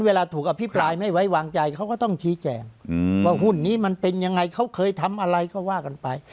ว่าว่าหุ้นนี้มันเป็นอย่างไงเขาเคยทำอะไรก็ว่ากันไป